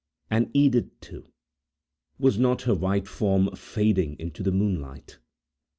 And Edith, too! Was not her white form fading into the moonlight?